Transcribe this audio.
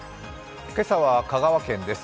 今朝は香川県です